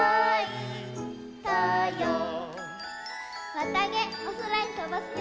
わたげおそらへとばすよ！